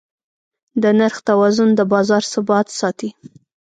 د نرخ توازن د بازار ثبات ساتي.